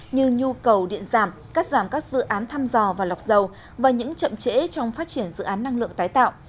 như nhu cầu điện giảm cắt giảm các dự án thăm dò và lọc dầu và những chậm trễ trong phát triển dự án năng lượng tái tạo